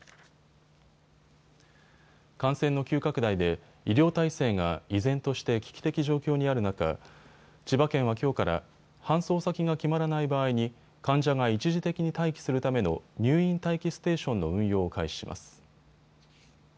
感染の急拡大で医療体制が依然として危機的状況にある中、千葉県はきょうから搬送先が決まらない場合に患者が一時的に待機するための入院待機ステーションの運用を開始します。